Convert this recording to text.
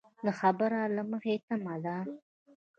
د خبر له مخې تمه ده